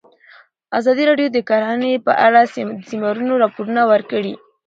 ازادي راډیو د کرهنه په اړه د سیمینارونو راپورونه ورکړي.